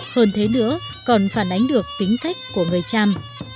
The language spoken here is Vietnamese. hơn thế nữa còn phản ánh được tính cách của người trăm